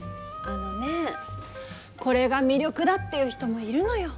あのねこれが魅力だって言う人もいるのよ。